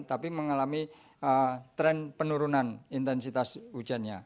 tapi mengalami tren penurunan intensitas hujannya